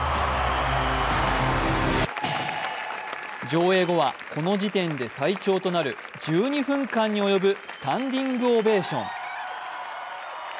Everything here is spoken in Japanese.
上映後は、この時点で最長となる１２分間に及ぶスタンディングオベーション。